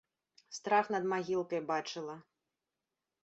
Страх над магілкай бачыла!